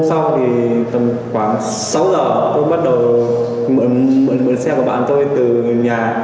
sau hôm sau khoảng sáu giờ tôi bắt đầu mượn xe của bạn tôi từ nhà